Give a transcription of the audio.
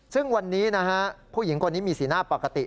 ซึ่งวันนี้นะฮะผู้หญิงคนนี้มีสีหน้าปกติ